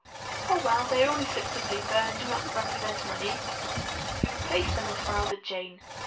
Oh, well, they are only slips of paper, and do not represent money." He replaced them and smiled at Jane.